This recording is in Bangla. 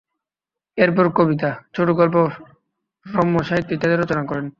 এরপরে কবিতা, ছোটগল্প, রম্য সাহিত্য ইত্যাদি রচনা করেন।